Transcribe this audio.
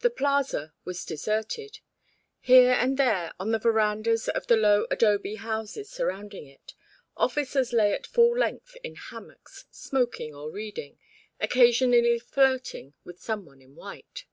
The plaza was deserted; here and there, on the verandahs of the low adobe houses surrounding it, officers lay at full length in hammocks, smoking or reading, occasionally flirting with some one in white.